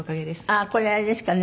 ああこれあれですかね？